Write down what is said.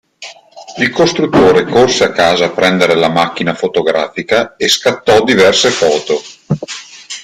Il costruttore corse a casa a prendere la macchina fotografica e scattò diverse foto.